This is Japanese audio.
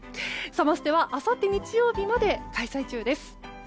サマステはあさって日曜日まで開催中です。